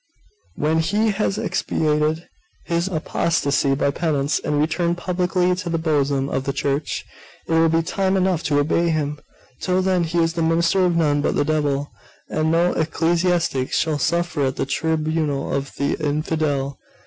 When he has expiated his apostasy by penance, and returned publicly to the bosom of the Church, it will be time enough to obey him: till then he is the minister of none but the devil. And no ecclesiastic shall suffer at the tribunal of an infidel.